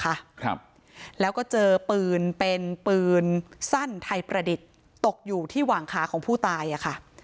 ครับแล้วก็เจอปืนเป็นปืนสั้นไทยประดิษฐ์ตกอยู่ที่หว่างขาของผู้ตายอ่ะค่ะ